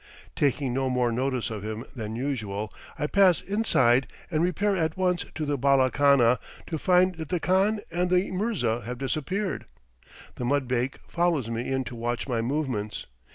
Taking no more notice of him than usual, I pass inside and repair at once to the bala khana, to find that the khan and the mirza have disappeared. The mudbake follows me in to watch my movements.